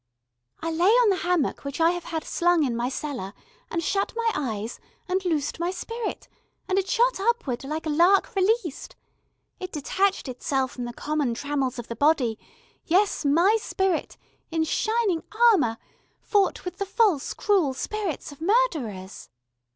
"I lay on the hammock which I have had slung in my cellar, and shut my eyes, and loosed my spirit, and it shot upward like a lark released. It detached itself from the common trammels of the body, yes, my spirit, in shining armour, fought with the false, cruel spirits of murderers."